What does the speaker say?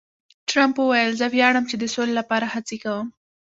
ټرمپ وویل، زه ویاړم چې د سولې لپاره هڅې کوم.